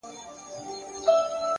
د حقیقت منل ځواک دی.!